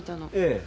ええ。